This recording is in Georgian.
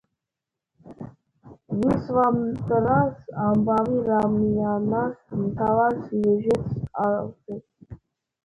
ვისვამიტრას ამბავი რამაიანას მთავარ სიუჟეტს ავსებს.